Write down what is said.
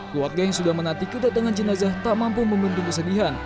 keluarga yang sudah menanti kedatangan jenazah tak mampu membendung kesedihan